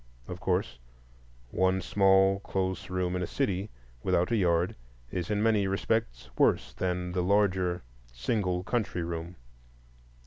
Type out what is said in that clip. Of course, one small, close room in a city, without a yard, is in many respects worse than the larger single country room.